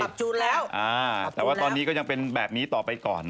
เอาก็ปรับรุ่นแล้วปรับรุ่นแล้วแต่ว่าตอนนี้ก็ยังเป็นแบบนี้ต่อไปก่อน